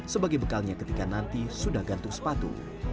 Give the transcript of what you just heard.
sebagai bekalnya ketika nanti sudah gantung sepatu